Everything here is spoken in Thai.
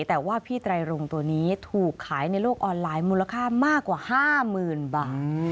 แต่ว่าพี่ไตรรงตัวนี้ถูกขายในโลกออนไลน์มูลค่ามากกว่า๕๐๐๐บาท